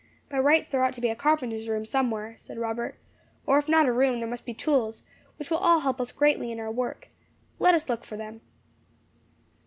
"By rights there ought to be a carpenter's room somewhere," said Robert; "or if not a room, there must be tools, which will help us greatly in our work. Let us look for them."